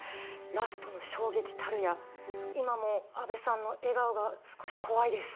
ラストの衝撃たるや、今も阿部さんの笑顔が少し怖いです。